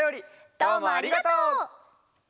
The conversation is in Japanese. どうもありがとう！